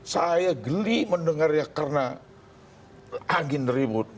saya geli mendengarnya karena angin ribut